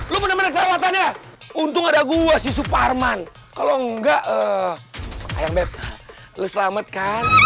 lu bener bener kawatan ya untung ada gua sih suparman kalau enggak ayam betah lu selamatkan